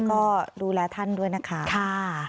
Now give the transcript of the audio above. ก็ดูแลท่านด้วยนะคะ